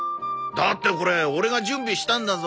だってこれオレが準備したんだぞ。